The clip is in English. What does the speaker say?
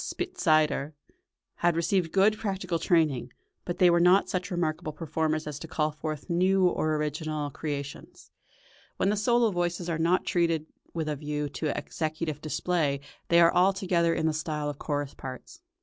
Spitzeder, had received good practical training, but they were not such remarkable performers as to call forth new or original creations. When the solo voices are not treated with a view to executive display they are altogether in the style of chorus parts.